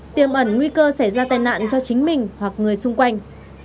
xảy ra tai nạn cho chính mình hoặc người xung quanh